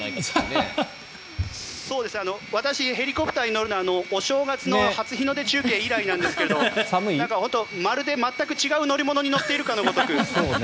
私、ヘリコプターに乗るのはお正月の初日の出中継以来なんですがまるで全く違う乗り物に乗っているかのごとく。